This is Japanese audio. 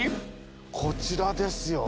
こちらですよ。